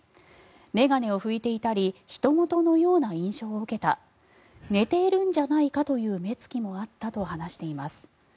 眼鏡を拭いていたりひと事のような印象を受けた寝ているんじゃないかという目つきもあったと話しています。